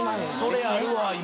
それあるわ今。